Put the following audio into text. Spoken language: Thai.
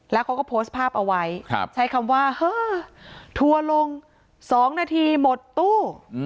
แล้วเขาก็โพสต์ภาพเอาไว้ใช้คำว่าเฮ้อทัวร์ลง๒นาทีหมดตู้